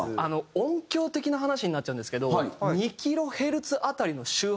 音響的な話になっちゃうんですけど。